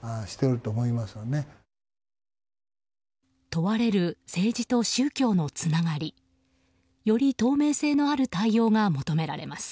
問われる政治と宗教のつながり。より透明性のある対応が求められます。